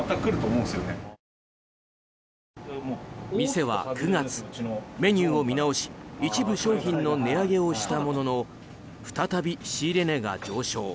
店は９月、メニューを見直し一部商品の値上げをしたものの再び仕入れ値が上昇。